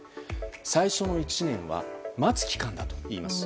最初の１年は待つ期間だといいます。